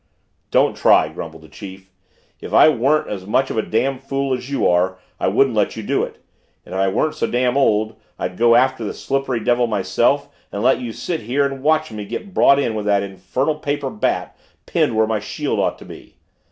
"Don't try," grumbled the chief. "If I weren't as much of a damn fool as you are I wouldn't let you do it. And if I weren't so damn old, I'd go after the slippery devil myself and let you sit here and watch me get brought in with an infernal paper bat pinned where my shield ought to be.